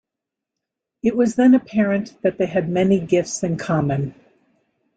It was then apparent that they had many gifts in common.